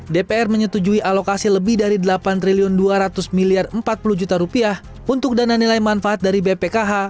dpr menyetujui alokasi lebih dari rp delapan dua ratus empat puluh juta untuk dana nilai manfaat dari bpkh